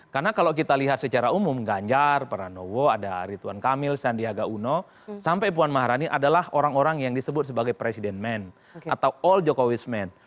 karena kalau kita lihat secara umum ganjar paranowo ada ritwan kamil sandiaga uno sampai puan maharani adalah orang orang yang disebut sebagai presiden men atau all jokowis men